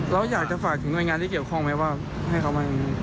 เราอยากจะฝากถึงหน่วยงานที่เกี่ยวข้องไหมว่าให้เขามา